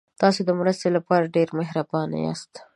تاسو د مرستې لپاره ډېر مهربانه یاست.